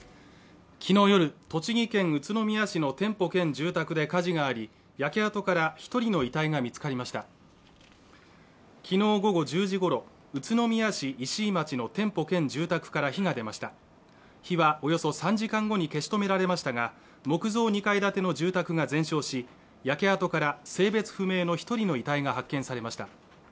昨日夜栃木県宇都宮市の店舗兼住宅で火事があり焼け跡から一人の遺体が見つかりました昨日午後１０時ごろ宇都宮市石井町の店舗兼住宅から火が出ました火はおよそ３時間後に消し止められましたが木造２階建ての住宅が全焼し焼け跡から性別不明の一人の遺体が発見されました